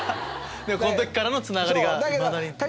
でもこの時からのつながりがいまだに。